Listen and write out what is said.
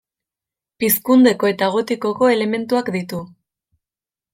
Pizkundeko eta gotikoko elementuak ditu.